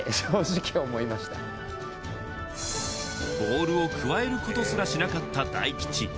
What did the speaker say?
ボールをくわえることすらしなかった大吉